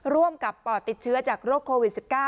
ร่วมกับปอดติดเชื้อจากโรคโควิด๑๙